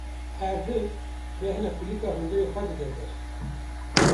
Her dil, bêhna kulîlka hundirê xwe dide der.